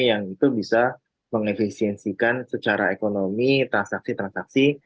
yang itu bisa mengefisiensikan secara ekonomi transaksi transaksi